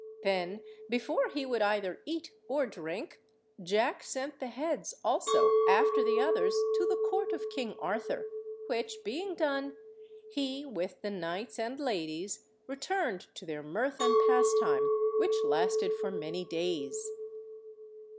Then, before he would either eat or drink, Jack sent the heads also, after the others, to the court of King Arthur, which being done, he, with the knights and ladies, returned to their mirth and pastime, which lasted for many days.